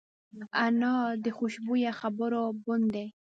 انا د خوشبویه خبرو بڼ دی